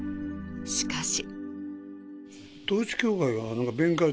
しかし。